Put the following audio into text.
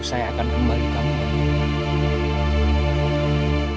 saya akan kembali kembali